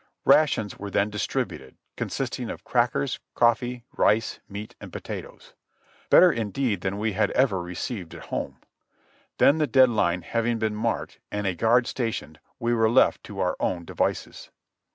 Rations were then distributed, consisting of crackers, coffee, rice, meat and potatoes; better indeed than we had ever received at home. Then the dead line having been marked and a guard stationed, we were left to our own devices.